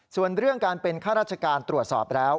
ส่วนเรื่องการเป็นข้าราชการตรวจสอบแล้ว